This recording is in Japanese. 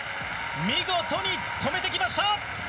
見事に止めてきました。